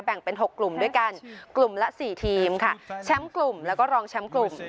เป็น๖กลุ่มด้วยกันกลุ่มละ๔ทีมค่ะแชมป์กลุ่มแล้วก็รองแชมป์กลุ่ม